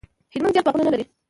هلمند زیات باغونه نه لري